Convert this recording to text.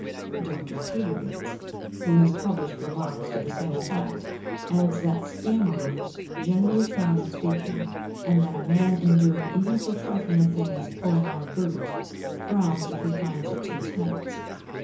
Dr. Piderit who has published remarks to the same effect, adds that stammerers generally frown in speaking, and that a man in doing even so trifling a thing as pulling on a boot, frowns if he finds it too tight.